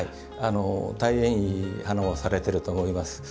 大変いい鼻をされていると思います。